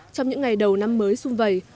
trong những ngày đầu năm mới xuân vầy